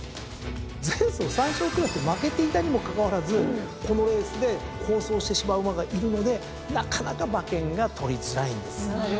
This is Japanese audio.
前走３勝クラスで負けていたにもかかわらずこのレースで好走してしまう馬がいるのでなかなか馬券が取りづらいんです。